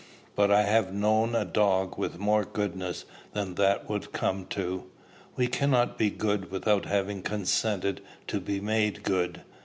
But I have known a dog with more goodness than that would come to. We cannot be good without having consented to be made good.